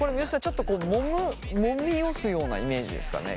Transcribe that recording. ちょっともむもみ押すようなイメージですかね？